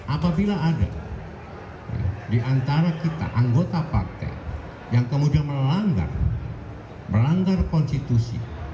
apabila ada di antara kita anggota partai yang kemudian melanggar konstitusi